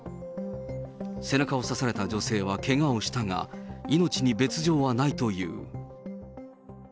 背中を刺された女性はけがをしたが、命に別状はないという。